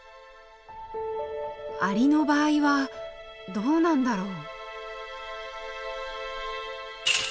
アリの場合はどうなんだろう。